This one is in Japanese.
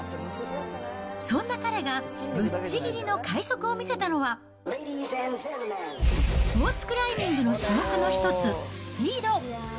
そんな彼がぶっちぎりの快速を見せたのは、スポーツクライミングの種目の一つ、スピード。